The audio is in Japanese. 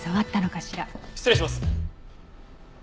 失礼します。